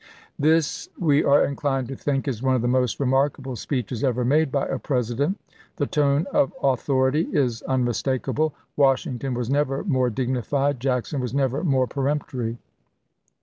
1 This, we are inclined to think, is one of the most remarkable speeches ever made by a President. The tone of authority is unmistakable. Washing ton was never more dignified ; Jackson was never more peremptory.